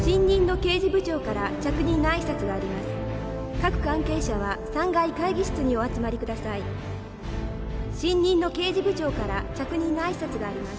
「各関係者は３階会議室にお集まりください」「新任の刑事部長から着任のあいさつがあります」